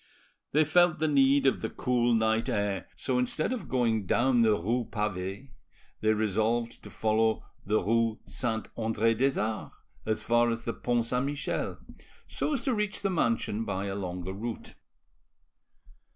They felt the need of the cool night air, so instead of going down the rue Pavee they resolved to follow the rue Saint Andre des Arts as far as the Pont Saint Michel, so as to reach the mansion by a longer route.